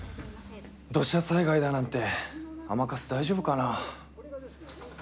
土砂災害だなんて甘春、大丈夫かな。